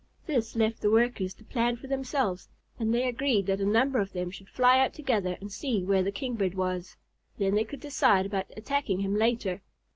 This left the Workers to plan for themselves, and they agreed that a number of them should fly out together and see where the Kingbird was. Then they could decide about attacking him later.